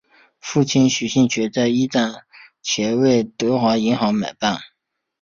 父亲许杏泉在一战前为德华银行买办。